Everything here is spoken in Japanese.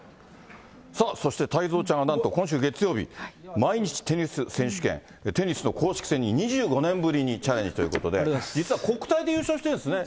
さあ、そして太蔵ちゃんはなんと今週月曜日、毎日テニス選手権、テニスの公式戦に２５年ぶりにチャレンジということで、実は国体で優勝してるんですね。